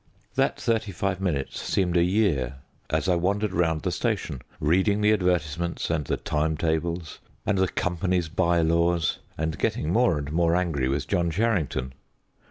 That thirty five minutes seemed a year, as I wandered round the station reading the advertisements and the time tables, and the company's bye laws, and getting more and more angry with John Charrington.